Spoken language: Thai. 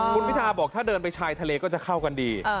คุณพิทาบอกถ้าเดินไปชายทะเลก็จะเข้ากันดี